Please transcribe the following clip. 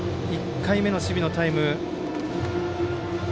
１回目の守備のタイム。